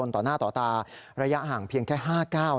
ต่อหน้าต่อตาระยะห่างเพียงแค่๕ก้าว